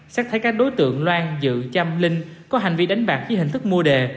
xác thấy các đối tượng loan dự chăm linh có hành vi đánh bạc với hình thức mua đề